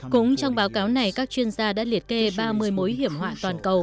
cũng trong báo cáo này các chuyên gia đã liệt kê ba mươi mối hiểm họa toàn cầu